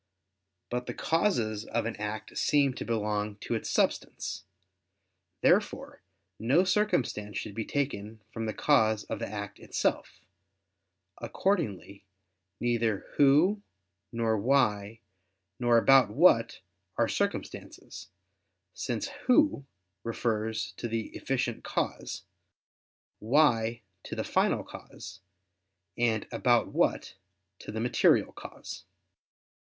But the causes of an act seem to belong to its substance. Therefore no circumstance should be taken from the cause of the act itself. Accordingly, neither "who," nor "why," nor "about what," are circumstances: since "who" refers to the efficient cause, "why" to the final cause, and "about what" to the material cause.